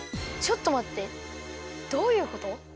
ちょっとまってどういうこと？